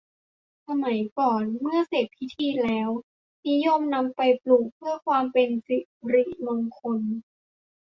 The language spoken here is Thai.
สมัยก่อนเมื่อเสร็จพิธีแล้วนิยมนำไปปลูกเพื่อความเป็นสิริมงคล